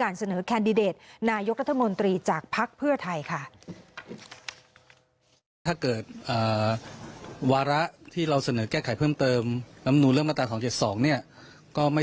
การเสนอแคนดิเดตนายกรัฐมนตรีจากภักดิ์เพื่อไทยค่ะ